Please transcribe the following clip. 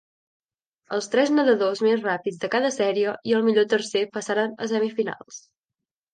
Els tres nedadors més ràpids de cada sèrie i el millor tercer passaren a semifinals.